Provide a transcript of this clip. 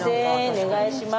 お願いします。